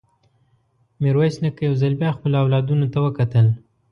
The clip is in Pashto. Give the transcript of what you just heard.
ميرويس نيکه يو ځل بيا خپلو اولادونو ته وکتل.